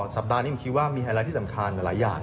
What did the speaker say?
สัปดาห์นี้มีไฮลาตที่สำคัญหลายอย่าง